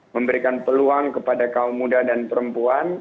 memberikan peluang kepada kaum muda dan perempuan